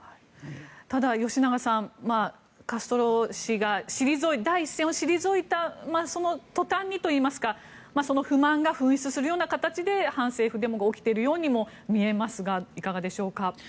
ただ、吉永さんカストロ氏が第一線を退いた途端にといいますかその不満が噴出するような形で反政府デモが起きているようにも見えますがいかがでしょうか。